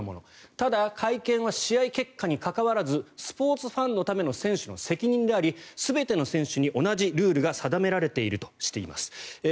ただ、会見は試合結果にかかわらずスポーツファンのための選手の責任であり全ての選手に同じルールが定められているとしています。